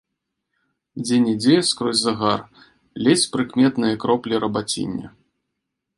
Дзе-нідзе, скрозь загар, ледзь прыкметныя кроплі рабаціння.